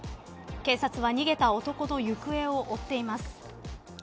警察は逃げた男の行方を追っています。